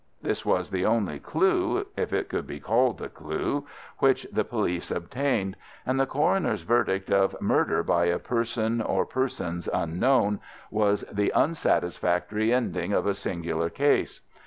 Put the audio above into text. This was the only clue, if it could be called a clue, which the police obtained, and the coroner's verdict of "Murder by a person or persons unknown" was the unsatisfactory ending of a singular case.